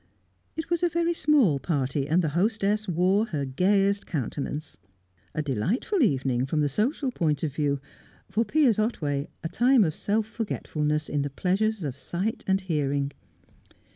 It was a very small party, and the hostess wore her gayest countenance. A delightful evening, from the social point of view; for Piers Otway a time of self forgetfulness in the pleasures of sight and hearing.